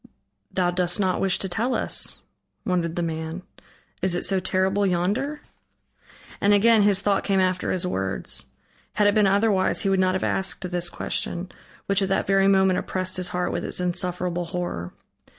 "Thou dost not wish to tell us," wondered the man, "is it so terrible yonder?" And again his thought came after his words. Had it been otherwise, he would not have asked this question, which at that very moment oppressed his heart with its insufferable horror.